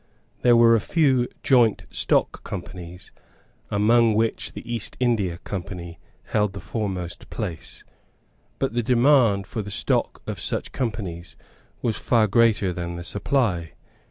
There were a few joint stock companies, among which the East India Company held the foremost place; but the demand for the stock of such companies was far greater than the supply.